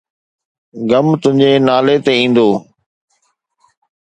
غم تنهنجي نالي تي ايندو